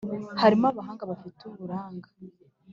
harimo abahanga bafite uburanga